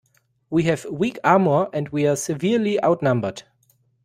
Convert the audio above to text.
We have weak armor and we're severely outnumbered.